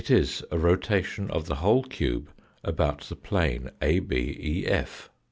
is a rotation of the whole cube about the plane ABEF.